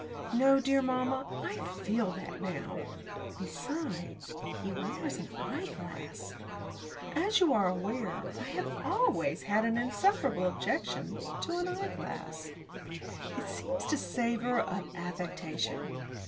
No, dear mamma, I feel that now. Besides, he wears an eyeglass. As you are aware, I have always had an insuperable objection to an eyeglass. It seems to savour of affectation.